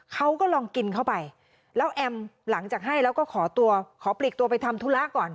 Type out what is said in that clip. เขาก็ลองกินเข้าไปแล้วแอมหลังจากให้แล้วก็ขอตัวขอปลีกตัวไปทำธุระก่อน